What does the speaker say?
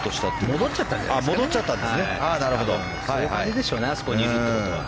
戻っちゃったんですね。